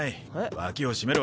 脇を締めろ。